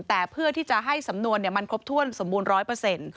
แต่เพื่อที่จะให้สำนวนเนี่ยมันครบถ้วนสมบูรณ์๑๐๐